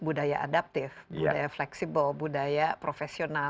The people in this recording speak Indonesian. budaya adaptif budaya fleksibel budaya profesional